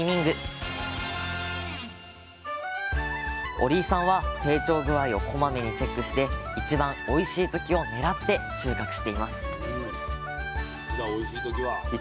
折井さんは成長具合をこまめにチェックして一番おいしいときを狙って収穫しています